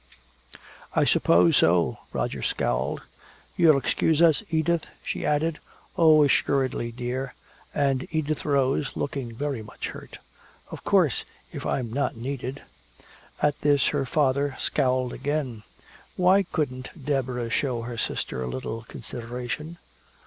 "I suppose so." Roger scowled. "You'll excuse us, Edith?" she added. "Oh, assuredly, dear." And Edith rose, looking very much hurt. "Of course, if I'm not needed " At this her father scowled again. Why couldn't Deborah show her sister a little consideration?